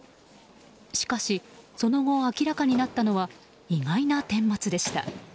しかし、その後明らかになったのは意外な顛末でした。